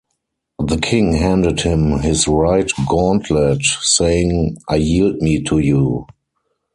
The king handed him his right gauntlet, saying; "I yield me to you".